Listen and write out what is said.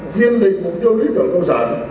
tiên định mục tiêu lý tưởng công sản